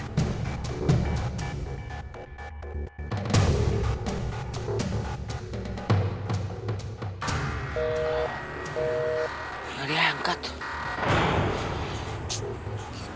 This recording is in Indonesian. tidak ada yang angkat